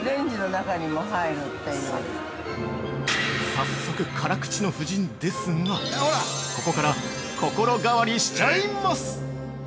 ◆早速、辛口の夫人ですがここから心変わりしちゃいます。